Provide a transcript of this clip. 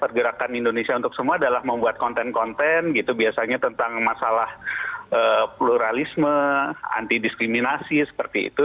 pergerakan indonesia untuk semua adalah membuat konten konten gitu biasanya tentang masalah pluralisme anti diskriminasi seperti itu